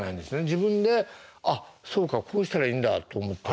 自分で「あそうかこうしたらいいんだ」と思った？